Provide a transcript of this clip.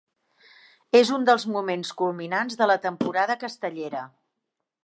És un dels moments culminants de la temporada castellera.